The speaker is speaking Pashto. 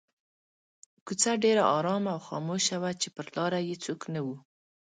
کوڅه ډېره آرامه او خاموشه وه چې پر لاره یې څوک نه وو.